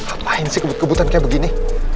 ngapain sih kebut kebutan kayak begini